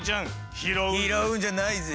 拾うんじゃないぜ。